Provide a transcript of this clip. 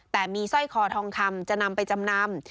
แต่มีสร้อยคอทองคำจะนำไปจำนำ